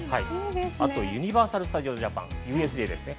あとユニバーサル・スタジオ・ジャパン、ＵＳＪですね。